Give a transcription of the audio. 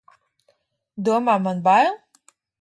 Domā, man bail!